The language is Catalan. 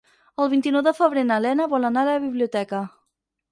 El vint-i-nou de febrer na Lena vol anar a la biblioteca.